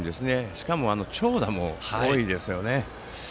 しかも長打も多いですよね。